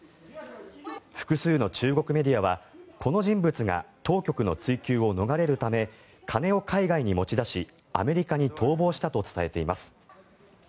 複数の中国メディアはこの人物が当局の追及を逃れるため金を海外に持ち出しアメリカに逃亡したと伝えています。